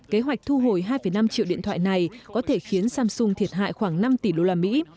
kế hoạch thu hồi hai năm triệu điện thoại này có thể khiến samsung thiệt hại khoảng năm tỷ đô la mỹ